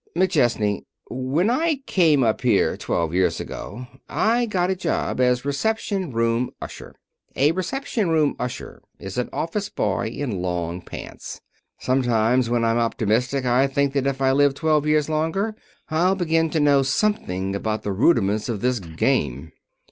"McChesney, when I came up here twelve years ago I got a job as reception room usher. A reception room usher is an office boy in long pants. Sometimes, when I'm optimistic, I think that if I live twelve years longer I'll begin to know something about the rudiments of this game."